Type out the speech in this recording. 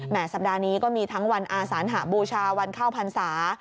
สัปดาห์นี้ก็มีทั้งวันอาสานหบูชาวันเข้าพรรษา